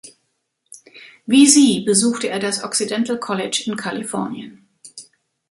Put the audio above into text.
Wie sie besuchte er das Occidental College in Kalifornien.